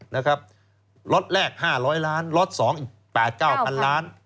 นะครับล็อตแรกห้าร้อยล้านล็อตสองอีกแปดเก้าพันล้าน